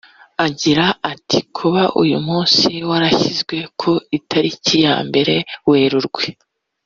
Agira ati “Kuba uyu munsi warashyizwe ku itariki ya mbere Werurwe